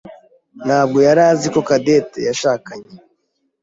ntabwo yari azi ko Cadette yashakanye.